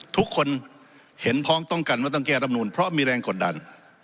ทุกคนเห็นพ้องต้องกันว่าต้องแก้รับนูนเพราะมีแรงกดดัน